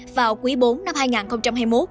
vào quý bốn năm hai nghìn hai mươi một